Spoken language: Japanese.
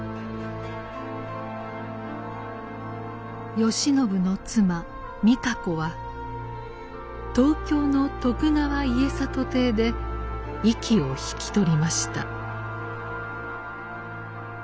慶喜の妻美賀子は東京の徳川家達邸で息を引き取りました。